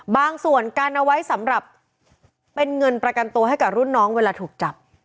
บางส่วนกันเอาไว้สำหรับเป็นเงินประกันตัวให้กับรุ่นน้องเวลาถูกจับ